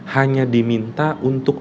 hanya diminta untuk